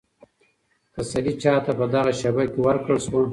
تسلي چا ته په دغه شېبه کې ورکړل شوه؟